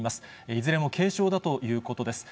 いずれも軽症だということです。